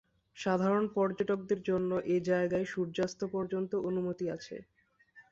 সাধারণ পর্যটকদের জন্য এ জায়গায় সূর্যাস্ত পর্যন্ত অনুমতি আছে।